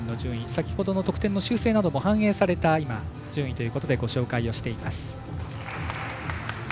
先ほどの得点の修正なども反映された順位ということでご紹介しています。